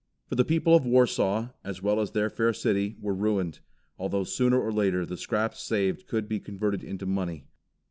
For the people of Warsaw, as well as their fair city, were ruined, although sooner or later the scraps saved could be converted into money.